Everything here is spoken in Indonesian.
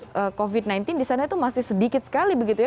kasus covid sembilan belas di sana itu masih sedikit sekali begitu ya